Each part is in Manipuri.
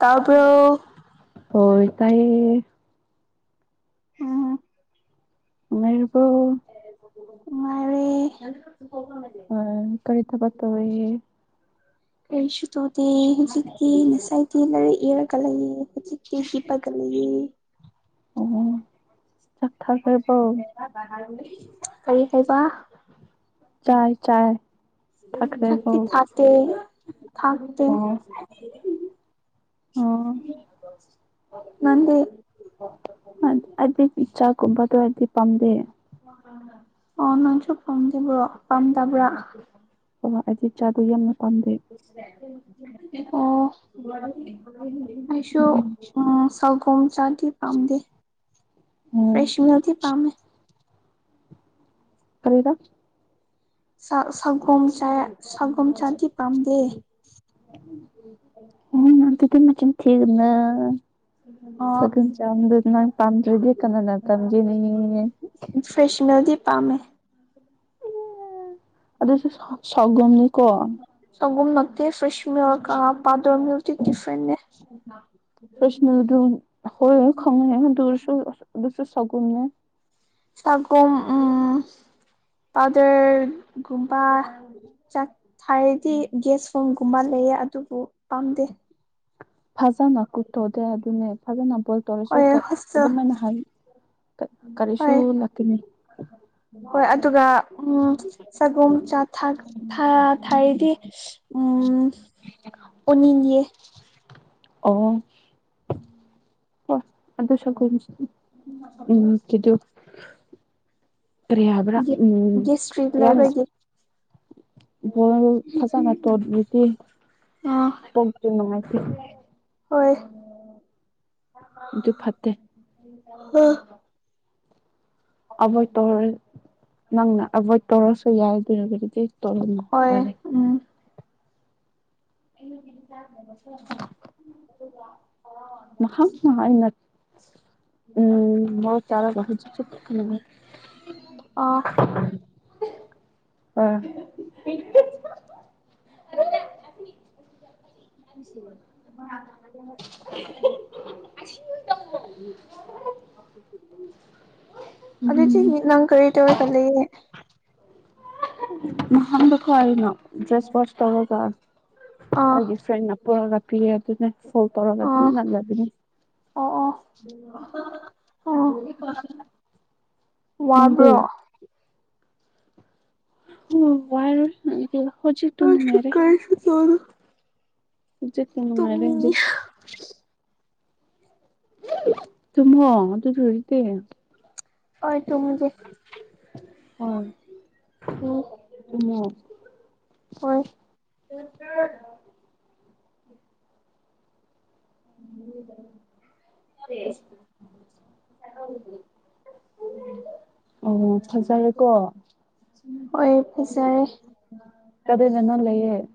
ꯇꯥꯕ꯭ꯔꯣ ꯍꯣꯏ ꯇꯥꯏ ꯎꯝ ꯃꯕꯨ ꯃꯥ ꯑ ꯀꯔꯤꯗ ꯄꯠꯇꯋ ꯀꯔꯤꯁꯨ ꯇꯧꯗꯦ ꯍꯧꯖꯤꯛꯇꯤ ꯅꯁꯥꯏꯇꯤ ꯂꯩꯔꯛ ꯏꯔꯒ ꯂꯩꯌꯦꯦ ꯆꯤ ꯀꯦꯁꯤꯄꯥꯒ ꯂꯩꯒ ꯑꯣ ꯆꯥꯛ ꯊꯥꯛꯕ ꯀꯔꯤ ꯍꯥꯏꯩꯕ ꯆꯥꯏ ꯆꯥꯏ ꯊꯥꯈ꯭ꯔꯦꯕꯣ ꯆꯀꯤ ꯊꯦ ꯊꯥꯛꯦ ꯑꯣꯝ ꯅꯗꯤ ꯏꯆꯥꯒꯨꯝꯕꯗꯣ ꯍꯥꯏꯗꯤ ꯄꯥꯝꯗꯦ ꯑꯣ ꯅꯣꯏꯁꯨ ꯄꯥꯝꯗꯕ꯭ꯔꯣ ꯄꯥꯝꯗꯕ꯭ꯔꯥ ꯑꯣ ꯑꯗꯨꯗꯤ ꯇꯝꯗꯦ ꯑꯣꯁ ꯎꯝ ꯑ ꯊꯥꯎꯈꯣꯡ ꯆꯥꯗꯤ ꯄꯥꯝꯗꯦ ꯎꯝ ꯐ꯭ꯔꯦꯁꯅꯦꯜꯗꯤ ꯄꯥꯝꯃꯦ ꯀꯔꯤꯗ ꯁꯥ ꯁꯒꯣꯝ ꯆꯥꯌꯦ ꯁꯒꯣꯝ ꯆꯥꯗꯤ ꯄꯥꯝꯗꯦ [inaudible] [unintelligible] ꯑꯣ ꯁꯒꯜ ꯆꯥꯗ ꯅꯪ ꯄꯥꯝꯗ꯭ꯔꯗꯤ ꯀꯅꯥꯅ ꯇꯝꯒꯤꯅꯤ ꯐ꯭ꯔꯦꯁꯅꯔꯗꯤ ꯄꯥꯝꯃꯦ ꯑꯗꯨꯁꯨ ꯁꯧ ꯁꯥꯎꯒꯣꯝꯅꯤꯀꯣ ꯁꯒꯣꯝ ꯅꯠꯇꯦ ꯐ꯭ꯔꯦꯁꯃꯤꯜ ꯀ ꯄꯥꯗꯜꯃꯤꯜꯇꯤ ꯇꯤꯐ꯭ꯔꯦꯟꯅꯦ ꯐ꯭ꯔꯁꯅꯦꯜꯗꯨ ꯑꯈꯣꯏ ꯈꯪꯉꯦ ꯑꯗꯨꯑꯣꯏꯔꯁꯨ ꯑꯁ ꯑꯗꯨꯁꯨ ꯁꯥꯒꯣꯝꯅꯦ ꯁꯒꯣꯝ ꯎꯝ ꯄꯥꯎꯗꯔ ꯒꯨꯝꯕ ꯆꯥꯛ ꯍꯥꯏꯔꯗꯤ ꯌꯦꯁ ꯁꯣꯡꯒꯨꯝꯕ ꯂꯩꯌꯦ ꯑꯗꯨꯕꯨ ꯄꯥꯝꯗꯦ ꯐꯖꯅ ꯀꯨꯛ ꯇꯣꯗꯦ ꯑꯗꯨꯅꯦ ꯐꯖꯅ ꯕꯣꯏꯜ ꯇꯧꯔꯁꯨ ꯍꯣꯏ ꯀꯠ ꯍꯣꯁꯇꯦꯜ ꯑꯗꯨꯃꯥꯏꯅ ꯍꯥꯏ ꯀ ꯀꯔꯤꯁꯨ ꯍꯣꯏ ꯂꯥꯛꯀꯅꯤ ꯍꯣꯏ ꯑꯗꯨꯒ ꯎꯝ ꯁꯒꯣꯝ ꯆꯥ ꯊꯥꯛ ꯊꯥ ꯊꯥꯏꯌꯦꯒꯤ ꯎꯝ ꯑꯣꯅꯤꯡꯌꯦ ꯑꯣ [unintelligible] ꯀꯔꯤ ꯍꯥꯏꯕ꯭ꯔꯥ ꯒꯦ ꯎꯝ ꯒꯦꯁꯇ꯭ꯔꯤꯠ ꯌꯥꯝꯅ ꯂꯩꯕꯒꯤ ꯕꯣꯏꯜ ꯐꯖꯅ ꯇꯧꯗ꯭ꯔꯗꯤ ꯄꯣꯛꯇꯨ ꯅꯨꯡꯉꯥꯏꯇꯦ [unintelligible] ꯍꯣꯏ ꯑꯗꯨ ꯐꯠꯇꯦ [unintelligible] ꯑꯚꯣꯏꯠ ꯇꯧꯔꯣꯏ ꯅꯪꯅ ꯑꯚꯣꯏꯠ ꯇꯧꯔꯁꯨ ꯌꯥꯏ ꯑꯗꯨꯅꯒꯤꯒꯤꯗꯤ ꯍꯣꯏ ꯎꯝ [unintelligible] [unintelligible] ꯎꯝ ꯃꯣꯔꯣꯛ ꯆꯥꯔꯒ ꯍꯧꯖꯤꯛꯁꯨ ꯄꯨꯛ ꯅꯨꯡꯉꯥꯏ ꯑꯥ [unintelligible] [unintelligible] [unintelligible] [unintelligible] ꯑꯗꯨꯗꯤ ꯎꯝ ꯅꯦ ꯅꯪ ꯀꯔꯤ ꯇꯧꯔꯒ ꯂꯩꯌꯦ [unintelligible] ꯑꯥ ꯑꯩꯒꯤ ꯐ꯭ꯔꯦꯟꯅ ꯄꯣꯔꯒ ꯄꯤꯔꯗꯤꯅꯦ ꯐꯣꯜ ꯇꯧꯔꯒ ꯑꯗꯨꯝ ꯑꯥ ꯅꯠꯅꯕꯤꯅꯦ [unintelligible] ꯅꯪꯗꯤ ꯋꯥꯕ꯭ꯔꯣ ꯎꯝ ꯋꯥꯏꯌꯦ ꯅꯪꯗꯤ ꯍꯧꯖꯤꯛꯇꯨ ꯑꯩꯁꯨ ꯅꯨꯡꯉꯥꯏꯔꯦ ꯀꯔꯤꯁꯨ ꯇꯧꯗꯦ ꯍꯧꯖꯤꯛꯇꯤ ꯅꯨꯡꯉꯥꯏꯔꯦ ꯗꯤ ꯇꯨꯝꯅꯤꯡꯉꯤ ꯇꯨꯝꯃꯣ ꯑꯗꯨ ꯂꯣꯏꯔꯗꯤ ꯍꯣꯏ ꯇꯨꯝꯒꯦ ꯍꯣꯏ [unintelligible] ꯍꯣꯏ [unintelligible] [unintelligible] ꯑꯣ ꯐꯖꯔꯦꯀꯣ ꯍꯣꯏ ꯐꯖꯔꯦ ꯑꯗꯨꯅꯅ ꯂꯩꯌꯦ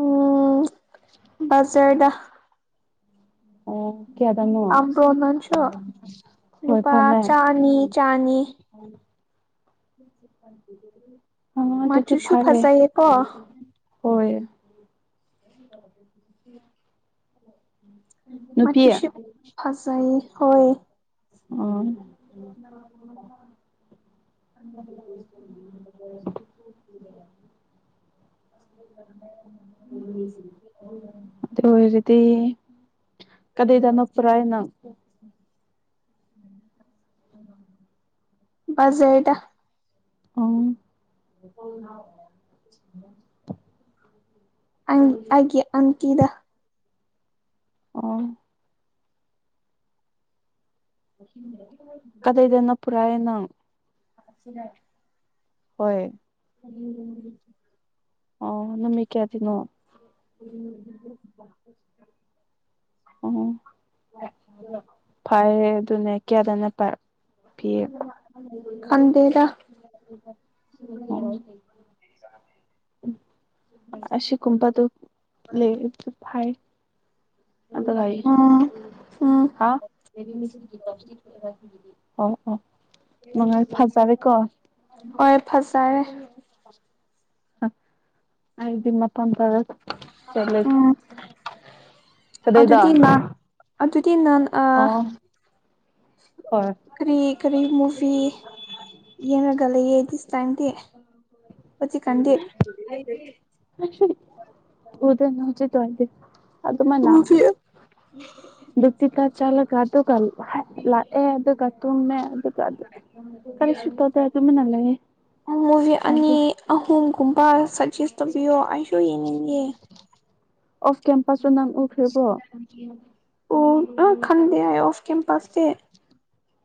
ꯎꯝ ꯕꯖꯥꯔꯗ ꯑꯣ ꯀꯌꯥꯗꯅꯣ ꯑꯕ꯭ꯔꯣ ꯅꯪꯡꯁꯨ ꯍꯣꯏ ꯅꯨꯨꯄꯥ ꯐꯝꯃꯦ ꯆꯥꯅꯤ ꯆꯥꯅꯤ ꯑꯣ ꯑꯗꯨꯗꯤ ꯃꯆꯨꯁꯨ ꯐꯔꯦ ꯐꯖꯩꯌꯦ ꯀꯣ ꯍꯣꯏ ꯅꯨꯄꯤ ꯃꯆꯨꯁꯨ ꯐꯖꯩꯌꯦ ꯍꯣꯏ ꯑꯣ [unintelligible] [inaudible] [inaudible] ꯇꯧꯔꯤꯖꯤꯗꯤ [inaudible] ꯕꯥꯖꯔꯗ ꯑꯣ ꯑꯩꯒꯤ ꯑꯟꯇꯤꯗ ꯑꯣ ꯀꯗꯩꯗ ꯅꯞꯄꯨꯔꯑꯩꯅꯪ [unintelligible] ꯍꯣꯏ ꯑꯣ ꯅꯨꯃꯤꯠ ꯀꯌꯥꯒꯤꯅꯣ [unintelligible] ꯑꯣ ꯐꯩ ꯑꯗꯨꯅꯦ ꯀꯌꯥꯗꯅ ꯄꯤ ꯀꯟꯗꯦꯔ [unintelligible] [unintelligible] ꯑꯁꯤꯁ ꯀꯨꯝꯄꯗꯨ ꯂꯩ ꯍꯥꯏ ꯑꯗ ꯊꯏ ꯎꯝ ꯎꯝ [unintelligible] [unintelligible] ꯍꯣꯏ ꯐꯖꯔꯦ ꯍꯝ ꯑꯩꯗꯤ ꯃꯐꯝꯥꯟ ꯇꯔ ꯆꯂꯦ ꯎꯝ ꯀꯗꯥꯩꯗ ꯑ ꯑꯗꯨꯗꯤ ꯅꯡ ꯑ [unintelligible] ꯎ ꯍꯣꯏ ꯀꯔꯤ ꯀꯔꯤ ꯃꯨꯚꯤ ꯌꯦꯡꯉꯒ ꯂꯩꯌꯦ ꯗꯤꯁ ꯇꯥꯏꯝꯗꯤ ꯍꯧꯖꯤꯛꯀꯥꯟꯗꯤ ꯎꯗ ꯅ ꯎꯖꯤ ꯇꯋꯥꯗꯦ [unintelligible] [unintelligible] ꯇꯤ ꯀ ꯆꯂꯒ ꯑꯗꯨꯒ ꯂꯑꯦ ꯑꯗꯨꯒ ꯇꯨꯃꯦ ꯑꯗꯨꯒ ꯑꯗꯨ ꯀꯔꯤꯁꯤ ꯇꯣꯗ ꯑꯗꯨꯝꯅꯂꯦ ꯃꯨꯚꯤ ꯑꯅꯤ ꯑꯍꯨꯝꯒꯨꯝꯕ ꯁꯖꯦꯁ ꯇꯧꯕꯤꯌꯣ ꯑꯩꯁꯨ ꯌꯦꯡꯅꯤꯡꯉꯦ ꯑꯣꯐ ꯀꯦꯝꯄꯁꯁꯨ ꯅꯪ ꯎꯈ꯭ꯔꯤꯕ꯭ꯔꯣ ꯑꯣ ꯈꯟꯗ ꯍꯥꯏ ꯑꯣꯐ ꯀꯦꯝꯄꯁ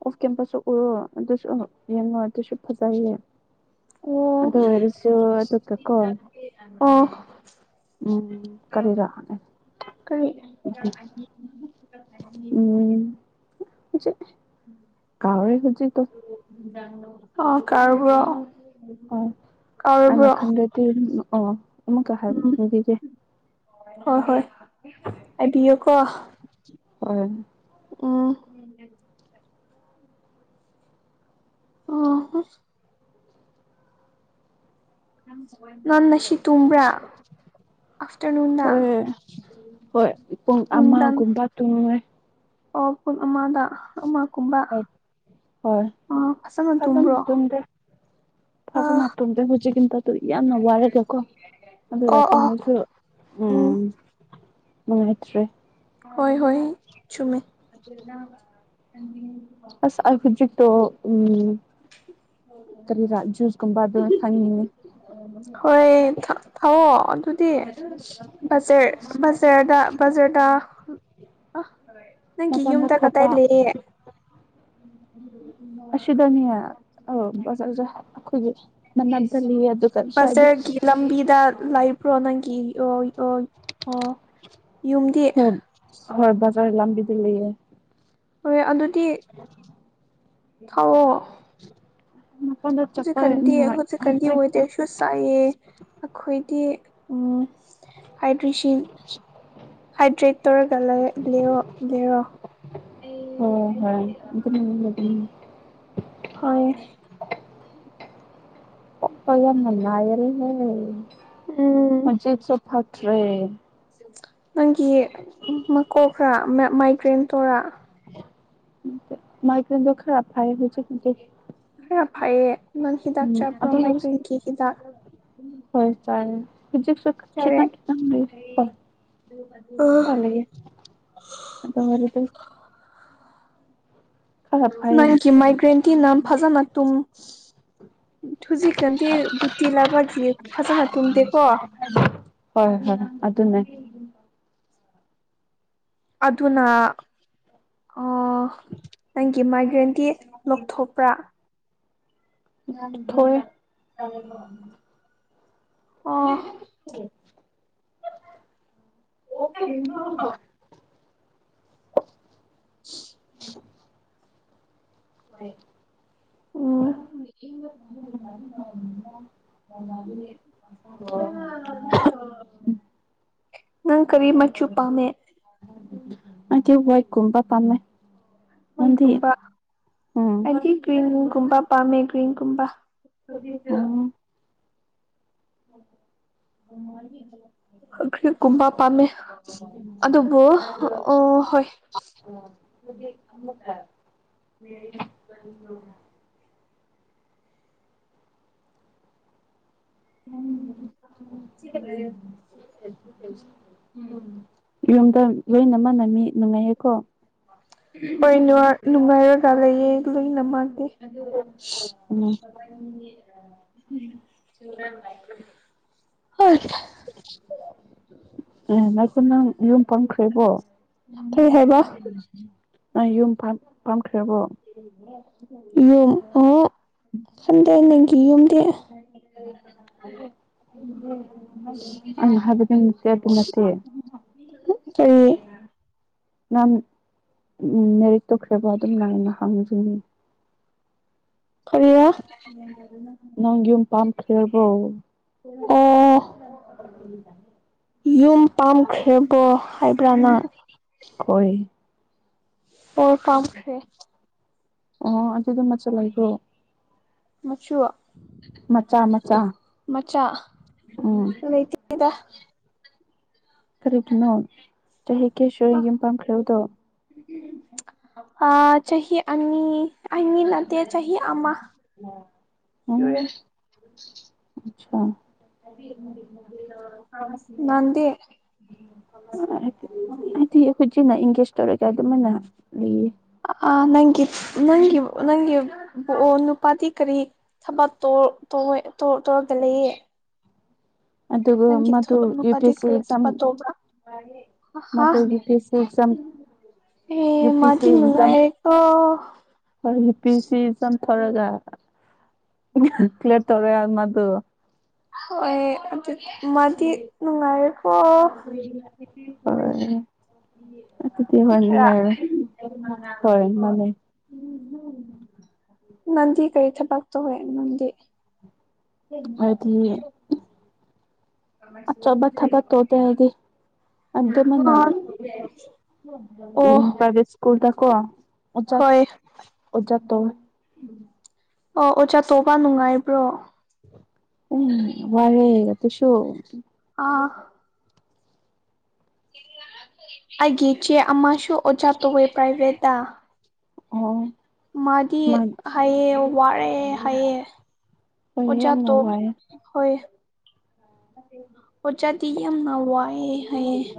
ꯑꯣꯐ ꯀꯦꯝꯄꯁꯁꯨ ꯎꯔꯣ ꯑꯗꯨꯁꯨ ꯌꯦꯡꯉꯣ ꯑꯗꯨꯁꯨ ꯐꯖꯩꯌꯦ ꯑꯣ ꯑꯗꯣ ꯑꯣꯏꯁꯨ ꯀꯣ ꯑꯣ ꯎꯝ ꯀꯔꯤ ꯔꯑꯅꯦ ꯀꯔꯤ [unintelligible] ꯎꯝ ꯍꯧꯖꯤ ꯀꯥꯥꯎꯦ ꯍꯧꯖꯤ ꯇꯣ [unintelligible] ꯑ ꯀꯔꯕꯨ [unintelligible] ꯑꯣ ꯑꯩꯅ ꯈꯟꯗꯗꯤ ꯑꯣ ꯑꯃꯨꯛꯀ ꯎꯝ ꯍꯥꯏꯕꯤꯒꯦ ꯍꯣꯏ ꯍꯣꯏ ꯑꯕꯤꯌ ꯀꯣ [unintelligible] ꯍꯣꯏ ꯎꯝ ꯑꯣ ꯅꯪ ꯉꯁꯤ ꯇꯨꯝꯕ꯭ꯔꯥ ꯑꯥꯐꯇꯔꯅꯨꯟꯗ ꯍꯣꯏ ꯍꯣꯏ ꯄꯨꯡ ꯅꯨꯡꯗꯥꯡ ꯑꯃꯒꯨꯝꯕ ꯇꯨꯝꯃꯦ ꯑꯣ ꯄꯨꯡ ꯑꯃꯗ ꯑꯃ ꯀꯨꯝꯕ ꯍꯣꯏ ꯍꯣꯏ ꯑ ꯐꯖꯅ ꯇꯨꯝꯕ꯭ꯔꯣ ꯐꯥꯕ ꯑꯥ ꯃꯥꯥꯛꯄꯁꯦ ꯍꯧꯖꯤꯛꯀꯤꯟꯇꯗ ꯌꯥꯝꯅ ꯋꯥꯔꯒꯀꯣ ꯑꯗꯨ ꯑꯣ ꯑꯣ ꯗꯥꯛꯇꯣꯅꯁꯨ ꯎꯝ ꯅꯨꯡꯉꯥꯏꯇ꯭ꯔꯦ ꯍꯣꯏ ꯍꯣꯏ꫰ꯆꯨꯝꯃꯦ ꯑ ꯑꯩ ꯍꯧꯖꯤꯛꯇꯣ ꯎꯝ ꯀꯔꯤꯔꯥꯨꯁꯒꯨꯝꯕꯗ ꯊ ꯍꯣꯏ ꯊꯥꯎꯑꯣ ꯑꯗꯨꯗꯤꯖ [unintelligible] ꯁꯌꯔꯗ ꯕꯖꯥꯔꯗ ꯅꯪꯒꯤ ꯃꯄꯥꯟꯗ ꯌꯨꯝꯗ ꯀꯗꯥꯏ ꯊꯣꯛꯄ ꯂꯩꯌꯦ ꯑꯁꯤꯗꯅꯦ ꯑꯧ ꯕꯖꯥꯔꯖꯦ ꯑꯈꯣꯏꯒꯤ ꯕꯖꯥꯔꯒꯤ ꯂꯝꯕꯤꯗ ꯂꯥꯏꯐ꯭ꯔꯣ ꯅꯪꯒꯤ ꯑ ꯑꯣ ꯌꯨꯝꯗꯤ ꯍꯝ ꯍꯣꯏ ꯖꯔ ꯂꯝꯕꯗ ꯂꯩꯌꯦ ꯍꯣꯏ ꯑꯗꯨꯗꯤ ꯍ [unintelligible] ꯃꯄꯥꯟꯗ ꯍꯧꯖꯤꯛ ꯆꯠꯄ ꯀꯟꯗꯤ ꯅꯨꯡꯉꯥꯏ ꯍꯧꯖꯤꯛ ꯀꯟꯗꯤ ꯑꯣꯏꯣꯏꯗꯦ [unintelligible] ꯁꯨ ꯆꯥꯏꯑꯦ ꯑꯩꯈꯣꯏꯗꯤ ꯎ ꯍꯥꯏꯗ꯭ꯔꯤꯁꯟ ꯍꯥꯏꯗ꯭ꯔꯦꯠ ꯇꯧꯔꯒ ꯂꯩ ꯂꯦꯔꯣ ꯂꯦꯔꯣ [unintelligible] ꯍꯣꯏ ꯄꯄ ꯌꯥꯝ ꯃꯅꯥꯜ ꯍꯦ ꯎꯝ ꯃꯖꯤꯠꯁꯨ ꯐꯇ꯭ꯔꯦ [unintelligible] ꯅꯪꯒꯤ ꯃꯀꯣꯛ ꯈ꯭ꯔ ꯃꯥꯏꯒ꯭ꯔꯦꯟ ꯇꯧꯔꯥ ꯅꯠꯇꯦ ꯃꯥꯏ ꯄꯣꯝꯕ ꯈꯔ ꯐꯩ ꯍꯧꯖꯤꯛꯀꯤꯗꯤ ꯈꯔꯥ ꯐꯥꯏꯌꯦ ꯅꯪ ꯍꯤꯗꯥꯛ ꯆꯥꯄ꯭ꯔꯣ ꯑꯣꯏꯔꯁꯨ ꯃꯥꯏꯇꯩꯒꯤ ꯍꯤꯗꯥꯛ ꯍꯣꯏ ꯆ ꯐꯖꯤ ꯆꯥꯔꯦ ꯈꯦꯇꯪ ꯈꯦ ꯑ ꯈꯦ [unintelligible] ꯑꯗꯣ ꯍꯔꯦꯗ ꯈꯔ ꯐꯩꯌꯦ ꯅꯪꯒꯤ ꯃꯥꯏꯒ꯭ꯔꯦꯟꯇꯤ ꯅꯝ ꯐꯖꯅ ꯇꯨꯝ ꯍꯧꯨꯖꯤꯛꯛꯇꯗꯤ ꯇꯤ ꯂꯕꯒꯤ ꯐꯖꯅ ꯊꯨꯝꯗꯦꯀꯣ [unintelligible] ꯍꯣꯏ ꯍꯣꯏ ꯑꯗꯨꯅꯦ ꯑꯗꯨꯅ ꯑꯣ ꯅꯪꯒꯤ ꯃꯥꯏꯒ꯭ꯔꯦꯟꯗꯤ ꯂꯧꯊꯣꯛꯄ꯭ꯔꯥ ꯊꯣꯏ [unintelligible] ꯑꯣ [inaudible] ꯑꯣ ꯎꯝ ꯃ ꯃꯦ [inaudible] ꯑꯣ ꯅꯪ ꯀꯔꯤ ꯃꯆꯨ ꯄꯥꯝꯃꯦ ꯑꯩꯗꯤ ꯋꯥꯏ ꯀꯨꯝꯕ ꯄꯥꯝꯃꯦ ꯅꯪꯗꯤ ꯃꯣꯏꯒꯨꯝꯕ ꯎꯝ ꯍꯥꯏꯗꯤ ꯀ꯭ꯔꯤꯟ ꯀꯨꯝꯕꯥ ꯄꯥꯝꯃꯦ ꯀ꯭ꯔꯤꯟ ꯀꯨꯝꯕꯥ ꯎꯝ [unintelligible] ꯭ꯔꯤꯀꯨꯝꯕ ꯄꯥꯝꯃꯦ ꯑꯗꯨꯕꯨ ꯑꯣ ꯍꯣꯏ [unintelligible] ꯎ ꯑꯗꯨꯗꯤꯃꯛꯇꯦ ꯃꯦꯔꯤ [unintelligible] ꯎꯝ ꯌꯨꯝꯗ ꯂꯣꯏꯅꯃꯛꯥꯟꯅꯝꯃꯤ ꯅꯨꯡꯉꯥꯏꯍꯦꯀꯣ ꯍꯣꯏ ꯅꯨꯡꯉꯥꯏꯔꯒ ꯂꯩꯌꯦ ꯂꯣꯏꯅꯃꯛꯒꯦ ꯎꯝ ꯍꯣꯏ ꯉꯥꯏꯈꯣ ꯅꯪ ꯌꯨꯝ ꯐꯪꯈ꯭ꯔꯦꯕꯣ ꯀꯩ ꯍꯥꯏꯕ [unintelligible] ꯌꯨꯝ ꯄꯥꯝ ꯄꯥꯝꯈ꯭ꯔꯕꯣ ꯌꯨꯝ ꯑꯣ ꯈꯟꯗꯦ ꯅꯪꯒꯤ ꯌꯨꯝꯗꯤ ꯑꯩꯅ ꯍꯥꯏꯕꯗꯤ [unintelligible] ꯅꯠꯇꯦ ꯀꯔꯤ ꯅꯪ ꯎꯝ ꯂꯥꯏꯔꯤꯛꯇꯣ ꯈꯔ ꯈꯔ ꯑꯗꯨꯝ ꯂꯥꯏꯅ ꯍꯪꯡꯖꯅꯤ ꯀꯔꯤꯔꯥ ꯅꯪ ꯌꯨꯝ ꯄꯥꯝ ꯈꯔꯕ꯭ꯔꯣ ꯑꯣ ꯌꯨꯝ ꯄꯥꯝꯈ꯭ꯔꯦꯕꯣ ꯍꯥꯏꯕ꯭ꯔꯥ ꯅꯪ ꯍꯣꯏ ꯑꯣ ꯄꯥꯝꯈ꯭ꯔꯦ ꯑꯣ ꯑꯗꯨꯗꯤ ꯃꯆꯥ ꯂꯩꯀꯣ ꯃꯆꯨ ꯃꯆꯥ ꯃꯆꯥ ꯃꯆꯥ ꯎꯝ ꯂꯩ ꯇꯦꯗꯥ ꯀꯔꯤꯒꯤꯅꯣ ꯆꯍꯤ ꯀꯌꯥ ꯁꯨꯔꯦ ꯌꯨꯝ ꯄꯥꯝꯈ꯭ꯔꯥꯕꯗꯣ ꯑꯥ ꯆꯍꯤ ꯑꯅꯤ ꯑꯅꯤ ꯅꯠꯇꯦ ꯆꯍꯤ ꯑꯃꯥ ꯎꯝ ꯑꯠꯆꯥ ꯅꯪꯗꯤ ꯑꯩꯈꯣꯏꯖꯤꯅ ꯏꯡꯒꯦꯖ ꯇꯧꯔꯒ ꯑꯗꯨꯃꯥꯏꯅ ꯂꯩꯌꯦ ꯑꯥ ꯅꯪꯒꯤ ꯅꯪꯒꯤ ꯅꯪꯒꯤ ꯅꯨꯄꯥꯗꯤ ꯀꯔꯤ ꯊꯕꯛ ꯇꯣꯔ ꯇꯧꯋꯦ ꯇꯣ ꯇꯧꯔꯛꯇ ꯂꯩꯌꯦ ꯑꯗꯨꯒ ꯅꯪꯒꯤ ꯃꯗꯨ ꯌꯨ ꯄꯤ ꯅꯨꯄꯥꯗꯤ ꯑꯦꯁ ꯁꯤ ꯀꯔꯤ ꯑꯦꯛꯖꯥꯝ ꯊꯕꯛ ꯇꯣꯕ꯭ꯔꯥ ꯃꯗꯨ U P S C exam [inaudible] ꯑꯦ ꯌꯨ ꯄꯤ ꯑꯦꯁ ꯃꯥꯗꯤ ꯅꯨꯡꯉꯥꯏꯔꯦꯀꯣ ꯍꯣꯏ ꯍꯤꯄꯤꯁꯤ ꯆꯝꯊꯣꯔꯒ ꯀꯂꯤꯌꯔ ꯇꯧꯔꯦ ꯑꯃꯥꯗꯨ ꯍꯣꯏ ꯑꯗꯨ ꯃꯥꯗꯤ ꯅꯨꯡꯉꯥꯏꯔꯦ [unintelligible] ꯍꯣꯏ ꯑꯗꯨꯗꯤ ꯅꯠꯇ꯭ꯔꯥ [inaudible] ꯍꯣꯏ ꯃꯥꯅꯦ [unintelligible] ꯅꯟꯗꯤ ꯀꯔꯤ ꯊꯕꯛ ꯇꯧꯋꯦ ꯅꯪꯗꯤ ꯍꯥꯏꯗꯤ ꯑꯆꯧꯕ ꯊꯕꯛ ꯇꯧꯗꯦ ꯍꯥꯏꯗꯤ [unintelligible] ꯑꯗꯨꯃꯥꯏꯅ ꯎꯝ ꯄ꯭ꯔꯥꯏꯚꯦꯠ ꯁ꯭ꯀꯨꯜꯗꯀꯣ [unintelligible] ꯑꯣꯖꯥ ꯍꯣꯏ [unintelligible] ꯑꯣꯖꯥ ꯇꯧꯋꯦ ꯑꯣ ꯑꯣꯖꯥ ꯇꯧꯕꯥ ꯅꯨꯡꯉꯥꯏꯕ꯭ꯔꯣ ꯎ ꯋꯥꯔꯦ ꯑꯗꯨꯁꯨ ꯑꯥ ꯑꯩꯒꯤ ꯏꯆꯦ ꯑꯃꯁꯨ ꯑꯣꯖꯥ ꯇꯧꯋꯦ ꯄ꯭ꯔꯥꯏꯚꯦꯠꯇ ꯑꯣ ꯃꯥꯗꯤ ꯃꯥ ꯍꯥꯏꯌꯦ ꯋꯥꯔꯦ ꯍꯥꯏꯑꯦ ꯍꯣꯏ ꯌꯥꯝꯅ ꯋꯥꯏ ꯍꯣꯏ [unintelligible] ꯑꯣꯖꯥꯗꯤ ꯌꯥꯝꯅ ꯋꯥꯏꯑꯦ ꯍꯥꯏꯌꯦ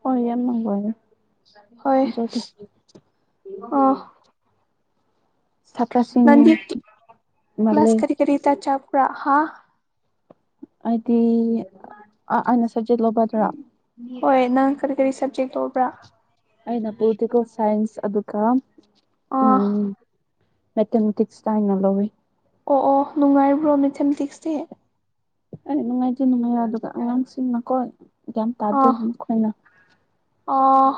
ꯍꯣꯏ ꯌꯥꯝꯅ ꯋꯥꯏꯑꯦ ꯍꯣꯏ [unintelligible] ꯃꯗꯤ ꯃꯥꯜꯂꯦ ꯀ꯭ꯂꯥꯁ ꯀꯔꯤ ꯀꯔꯤꯗ ꯆꯞꯄꯔꯥ ꯍꯥ ꯍꯥꯏꯗꯤ ꯑ ꯑꯩꯅ ꯁꯖꯦꯠ ꯂꯧꯕꯗ꯭ꯔꯥ ꯍꯣꯏ ꯅꯪ ꯀꯔꯤ ꯀꯔꯤ ꯁꯞꯖꯦꯛ ꯑꯩꯅ ꯄꯣꯂꯤꯇꯤꯀꯦꯜ ꯁꯥꯏꯟꯁ ꯑꯗꯨꯒ ꯑꯥ ꯎꯝ ꯃꯦꯊꯃꯦꯇꯤꯛ ꯁꯇꯥꯏꯩꯅ ꯂꯧꯋꯤ ꯑꯣ ꯑꯣ ꯅꯨꯡꯉꯥꯏꯔꯤꯕ꯭ꯔꯣ ꯃꯦꯊꯃꯦꯇꯤꯛꯁꯇꯤ ꯑꯩ ꯅꯨꯡꯉꯥꯏꯇꯦ ꯅꯨꯡꯉꯥꯏ ꯑꯗꯨꯒ ꯑꯉꯥꯡꯁꯤꯡꯅꯀꯣ ꯒ꯭ꯌꯥꯟ ꯇꯥꯗꯦ ꯑꯥ ꯃꯈꯣꯏꯅ ꯑꯥ